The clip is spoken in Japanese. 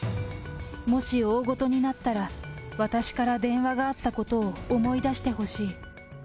もし大ごとになったら私から電話があったことを思い出してほしい。